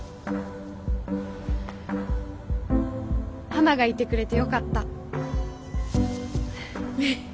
花がいてくれてよかった。